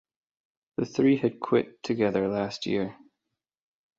The three had quit together last year.